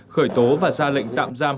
khởi tố và ra lệnh tạm giam